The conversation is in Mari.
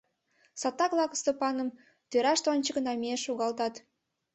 Салтак-влак Стопаным тӧрашт ончыко намиен шогалтат.